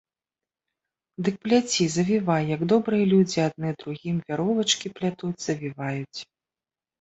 Дык пляці, завівай, як добрыя людзі адны другім вяровачкі плятуць, завіваюць!